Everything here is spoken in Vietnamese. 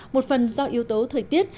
một phần do yếu tố thời tiết